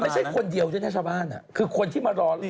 มันไม่ใช่คนเดียวใช่ไหมชาวบ้านคือคนที่มารอรถ